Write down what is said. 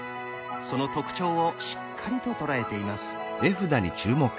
その特徴をしっかりと捉えています。